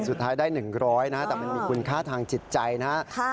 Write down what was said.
สุดท้ายได้๑๐๐นะแต่มันมีคุณค่าทางจิตใจนะครับ